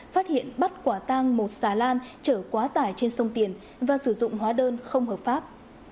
phát hiện bắt quả tang một xà lan chở quá tải trên sông tiền và sử dụng hóa đơn không hợp pháp